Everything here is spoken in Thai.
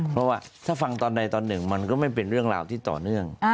เพราะว่าถ้าฟังตอนใดตอนหนึ่งมันก็ไม่เป็นเรื่องราวที่ต่อเนื่อง